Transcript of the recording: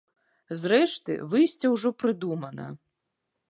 Зрэшты, выйсце ўжо прыдумана.